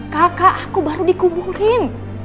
kakak aku baru dikuburin